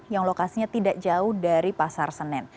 yang lokasinya tidak jauh dari pasar senen